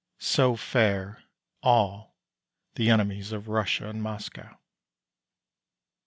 So fare all the enemies of Russia and of Moscow.